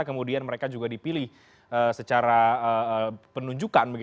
kemudian mereka juga dipilih secara penunjukan